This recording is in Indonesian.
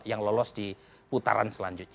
yang lolos di putaran selanjutnya